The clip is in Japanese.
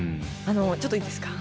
ちょっといいですか？